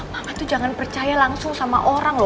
maka tuh jangan percaya langsung sama orang loh